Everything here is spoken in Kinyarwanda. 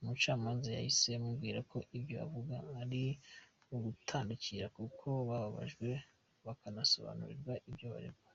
Umucamanza yahise amubwira ko ibyo avuga ari ugutandukira kuko babajijwe bakanasobanurirwa ibyo baregwa.